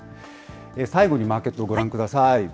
最後にマーケットをご覧ください。